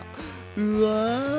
うわ！